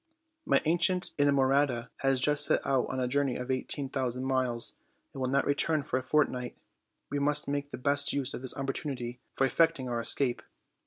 My ancient inamorata has just set out on a journey of eighteen thousand miles, and will not return for a fortnight; we must make the best use of this opportunity for effecting our escape.